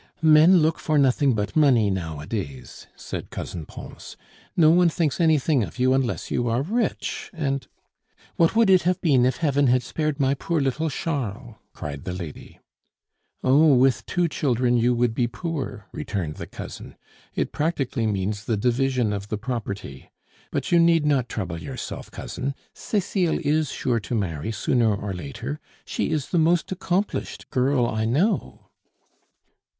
"Men look for nothing but money nowadays," said Cousin Pons. "No one thinks anything of you unless you are rich, and " "What would it have been if Heaven had spared my poor little Charles! " cried the lady. "Oh, with two children you would be poor," returned the cousin. "It practically means the division of the property. But you need not trouble yourself, cousin; Cecile is sure to marry sooner or later. She is the most accomplished girl I know."